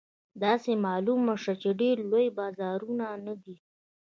داسې معلومه شوه چې ډېر لوی بازار نه دی.